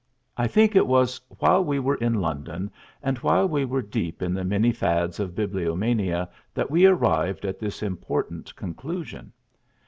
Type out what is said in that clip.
I think it was while we were in London and while we were deep in the many fads of bibliomania that we arrived at this important conclusion.